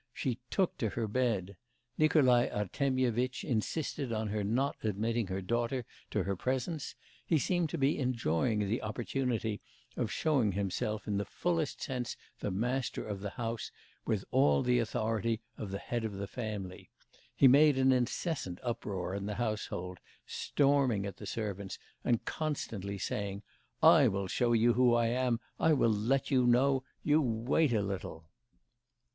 She took to her bed. Nikolai Artemyevitch insisted on her not admitting her daughter to her presence; he seemed to be enjoying the opportunity of showing himself in the fullest sense the master of the house, with all the authority of the head of the family; he made an incessant uproar in the household, storming at the servants, and constantly saying: 'I will show you who I am, I will let you know you wait a little!